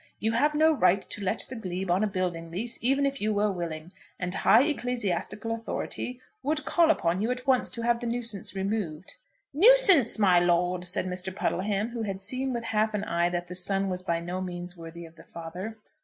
You have no right to let the glebe on a building lease, even if you were willing, and high ecclesiastical authority would call upon you at once to have the nuisance removed." "Nuisance, my lord!" said Mr. Puddleham, who had seen with half an eye that the son was by no means worthy of the father.